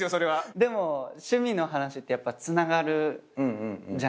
でも趣味の話ってやっぱつながるじゃないですか。